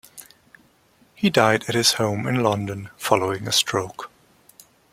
He died at his home in London following a stroke.